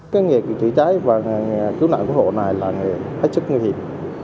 cái nghề cứu cháy và cứu nạn cứu hộ này là nghề hết sức nguy hiểm